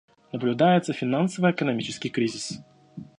Наблюдается финансово-экономический кризис.